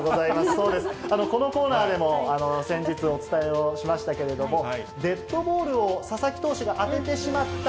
そうです、このコーナーでも、先日、お伝えをしましたけれども、デッドボールを佐々木投手が当ててしまった、